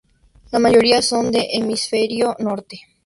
La mayoría son del Hemisferio Norte.